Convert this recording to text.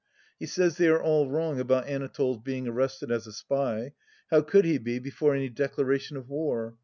He says they are all wrong about Anatole's being arrested as a spy — how could he be, before any Declaration of War